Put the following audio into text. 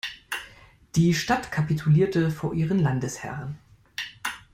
Die Stadt kapitulierte vor ihren Landesherren.